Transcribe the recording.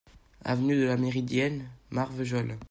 Avenue de la Méridienne, Marvejols